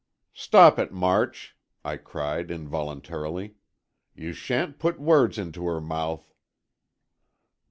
"Stop it, March," I cried, involuntarily. "You sha'n't put words into her mouth!"